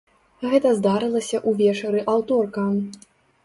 Гэта здарылася ўвечары аўторка.